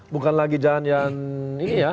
bukan lagi jalan yang ini ya